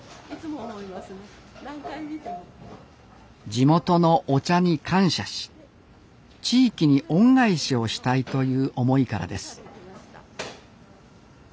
地元のお茶に感謝し地域に恩返しをしたいという思いからです